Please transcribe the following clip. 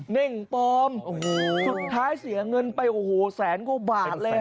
เน่งปลอมสุดท้ายเสียเงินไปโอ้โหแสนกว่าบาทเลย